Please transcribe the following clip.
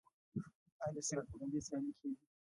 آیا د سیرت النبی سیالۍ کیږي؟